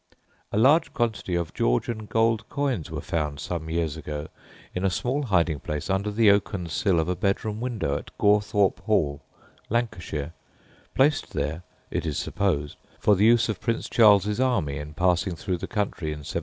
A large quantity or Georgian gold coins were found some years ago in a small hiding place under the oaken sill of a bedroom window at Gawthorp Hall, Lancashire, placed there, it is supposed, for the use of Prince Charles's army in passing through the country in 1745.